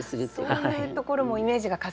そういうところもイメージが重なるんですね。